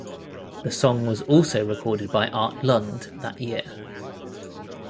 The song was also recorded by Art Lund that year.